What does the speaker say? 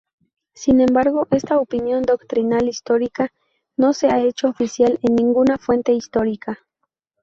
Sin embargo esta opinión doctrinal-histórica no se ha hecho oficial en ninguna fuente histórica.